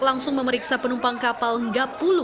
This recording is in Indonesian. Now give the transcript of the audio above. langsung memeriksa penumpang kapal ngap sepuluh